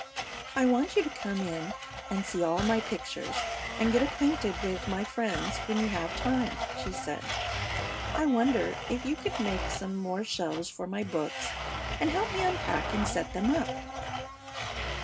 "I want you to come in and see all my pictures and get acquainted with my friends when you have time," she said. "I wonder if you could make some more shelves for my books and help me unpack and set them up?"